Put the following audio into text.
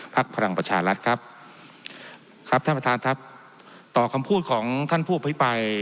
พลังประชารัฐครับครับท่านประธานครับต่อคำพูดของท่านผู้อภิปราย